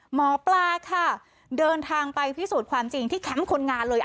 หมอปลาค่ะเดินทางไปพิสูจน์ความจริงที่แคมป์คนงานเลย